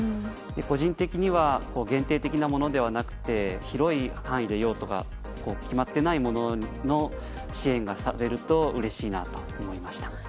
個人的には限定的なものではなくて広い範囲で用途が決まっていないものの支援がされるとうれしいなと思いました。